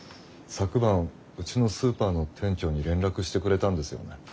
昨晩うちのスーパーの店長に連絡してくれたんですよね。